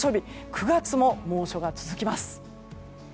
９月も猛暑が続きます。